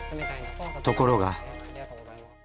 ところが。